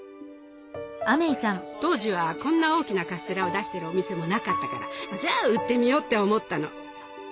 当時はこんな大きなカステラを出してるお店もなかったからじゃあ売ってみようって思ったの。